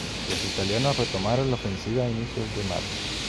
Los italianos retomaron la ofensiva a inicios de marzo.